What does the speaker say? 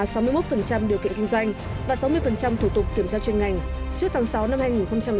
đơn giản hóa sáu mươi một điều kiện kinh doanh và sáu mươi thủ tục kiểm tra chuyên ngành trước tháng sáu năm hai nghìn một mươi chín